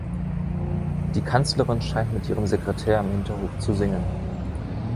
Die Kanzlerin scheint mit ihrem Sekretär im Hinterhof zu singen.